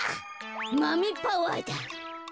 マメパワーだ。